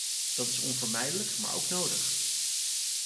Dat is onvermijdelijk maar ook nodig.